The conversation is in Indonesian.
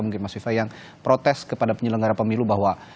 mungkin mas viva yang protes kepada penyelenggara pemilu bahwa